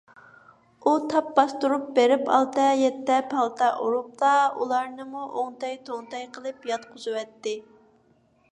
ئۇ تاپ باستۇرۇپ بېرىپ، ئالتە - يەتتە پالتا ئۇرۇپلا ئۇلارنىمۇ ئوڭتەي - توڭتەي قىلىپ ياتقۇزۇۋەتتى.